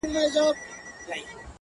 چي نور ساده راته هر څه ووايه؛